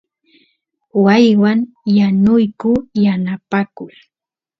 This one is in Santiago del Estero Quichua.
waaywan yanuyku yanapakus